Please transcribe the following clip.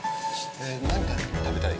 何か食べたい？